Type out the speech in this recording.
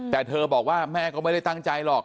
แต่เธอบอกว่าแม่ก็ไม่ได้ตั้งใจหรอก